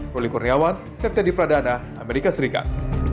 role kurniawan sertedi pradana amerika serikat